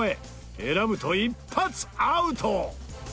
選ぶと一発アウト！